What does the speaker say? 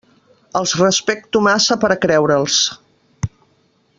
Els respecto massa per a creure'ls.